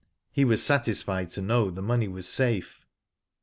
He was satisfied to know the money was safe.